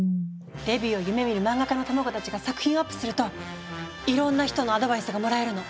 デビューを夢みるマンガ家の卵たちが作品をアップするといろんな人のアドバイスがもらえるの！